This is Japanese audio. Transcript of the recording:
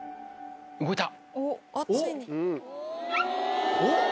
動いた。